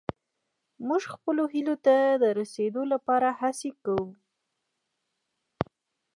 موږ خپلو هيلو ته د رسيدا لپاره هڅې کوو.